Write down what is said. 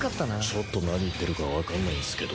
ちょっと何言ってるかわかんないんすけど。